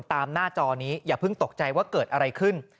หน้าจอนี้อย่าเพิ่งตกใจว่าเกิดอะไรขึ้น